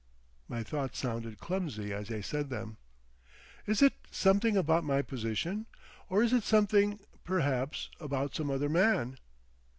My thoughts sounded clumsy as I said them. "Is it something about my position?... Or is it something—perhaps—about some other man?"